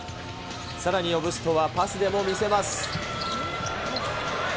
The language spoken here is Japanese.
さらにオブストはパスでも見せます。